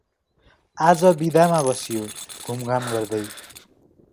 आज बिदामा बसियो! घुमघाम गर्दै।